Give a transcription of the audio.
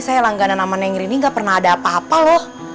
saya langganan sama nengri ini gak pernah ada apa apa loh